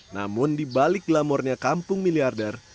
namun di balik glamornya kampung miliarder